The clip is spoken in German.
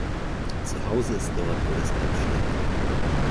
Zuhause ist dort wo das Bett steht.